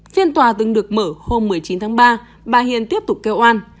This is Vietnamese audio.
phiên tòa từng được mở hôm một mươi chín tháng ba bà hiền tiếp tục kêu an